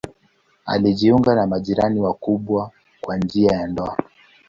Alijiunga na majirani wakubwa kwa njia ya ndoa.